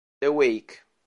The Wake